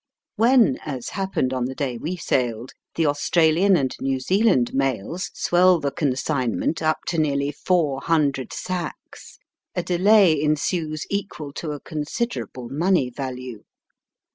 When, as happened on the day we sailed, the Australian and New Zealand mails swell the consignment up to nearly four hundred Digitized by VjOOQIC 12 EAST BY WEST. sacks, a delay ensues equal to a considerable money value.